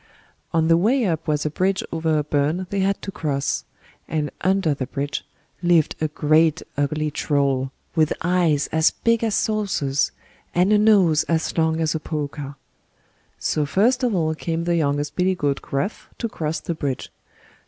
On the way up was a bridge over a burn they had to cross; and under the bridge lived a great ugly Troll, with eyes as big as saucers, and a nose as long as a poker. So first of all came the youngest billy goat Gruff to cross the bridge.